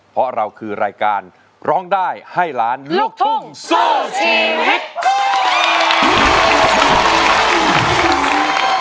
เพราะเราคือรายการร้องได้ให้ล้านลูกทุ่งสู้ชีวิต